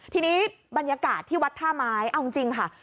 ทีนี้บรรยากาศที่วัดท่าไม้เอาจริงค่ะ